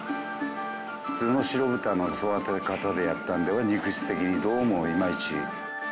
普通の白豚の育て方でやったんでは肉質的にどうもイマイチ。